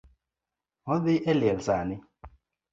Odhi e liel sani